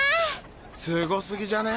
すご過ぎじゃね？